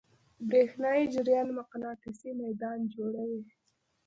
برېښنایی جریان مقناطیسي میدان جوړوي.